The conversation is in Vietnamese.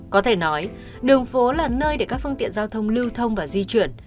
có thể nói đường phố là nơi để các phương tiện giao thông lưu thông và di chuyển